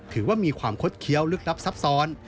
ถือว่ามีความคดเคี้ยวลึกลับซับซ้อน